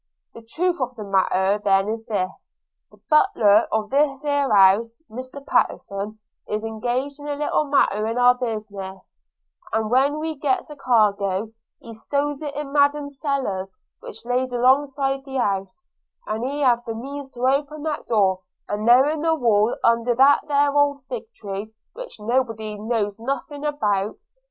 The truth of the matter then is this – The butler of this here house, Master Pattenson, is engaged a little matter in our business; and when we gets a cargo, he stows it in Madam's cellars, which lays along side the house, and he have the means to open that door there in the wall, under that there old figtree, which nobody knows nothing about.